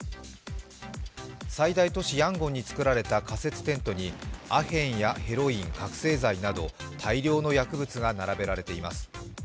最大都市ヤンゴンに作られた仮設テントにアヘンやヘロイン、覚醒剤など大量の薬物が並べられています。